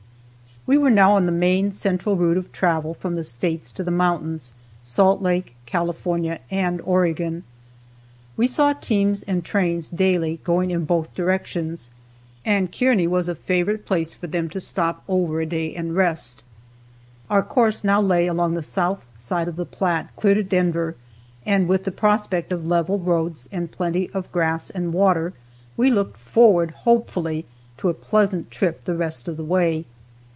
We were now on the main central route of travel from the States to the mountains, Salt Lake, California and Oregon. We saw teams and trains daily going in both directions, and Kearney was a favorite place for them to stop over a day and rest. Our course now lay along the south side of the Platte, clear to Denver; and with the prospect of level roads and plenty of grass and water, we looked forward hopefully to a pleasant trip the rest of the way.